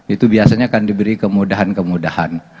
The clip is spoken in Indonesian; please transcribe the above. itu biasanya akan diberi kemudahan kemudahan